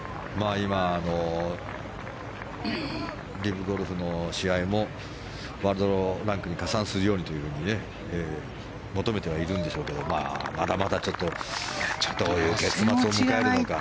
今、リブゴルフの試合もワールドランクに加算するようにと求めてはいるんでしょうけどまだまだ、ちょっとどういう結末を迎えるのか。